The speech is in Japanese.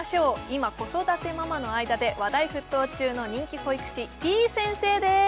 今子育てママの間で話題沸騰中の人気保育士てぃ先生です